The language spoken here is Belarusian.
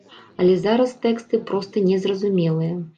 Але зараз тэксты проста незразумелыя.